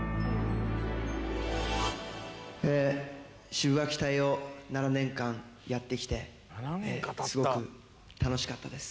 シブがき隊を７年間やってきてすごく楽しかったです。